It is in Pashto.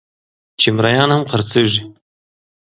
چې مريان هم خرڅېږي